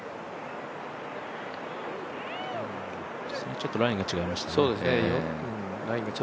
ちょっとラインが違いましたね。